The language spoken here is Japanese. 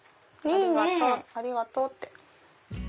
ありがとう！って。